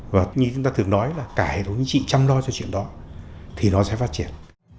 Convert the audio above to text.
và như chúng ta thường nói là cả hệ thống chính trị chăm lo cho chuyện đó thì nó sẽ phát triển